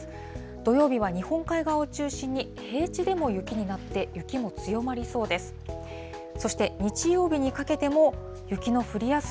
土曜日は日本海側を中心に、平地でも雪になって、雪も強まりそうです。